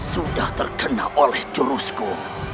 sudah terkena oleh jurusku